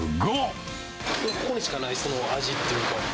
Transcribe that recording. ここにしかない味っていうか。